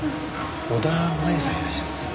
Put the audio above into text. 小田麻衣さんいらっしゃいます？